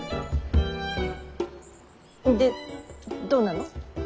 でどうなの。